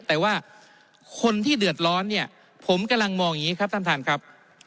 แต่ว่าคนที่เดือดร้อนเนี่ยผมกำลังมองอย่างนี้ครับท่านท่านครับ